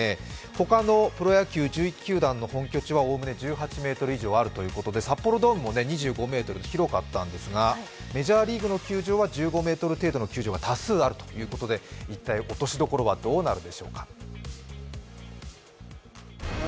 他のプロ野球１１球団の本拠地はおおむね１８ｍ以上あるということで札幌ドームも２５ｍと広かったんですがメジャーリーグの球場は１５ｍの球場が多数あるということで一体、落としどころはどうなるでしょうか。